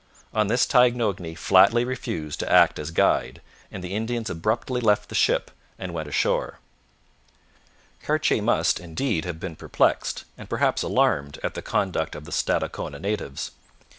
On this Taignoagny flatly refused to act as guide, and the Indians abruptly left the ship and went ashore. Cartier must, indeed, have been perplexed, and perhaps alarmed, at the conduct of the Stadacona natives.